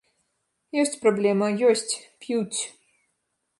Ёсць праблема, ёсць, п'юць.